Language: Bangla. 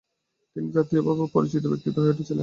তিনি জাতীয়ভাবে পরিচিত ব্যক্তিত্ব হয়ে উঠেছিলেন।